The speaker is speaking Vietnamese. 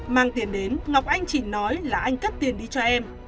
mang tiền đến ngọc anh chỉ nói là anh cắt tiền đi cho em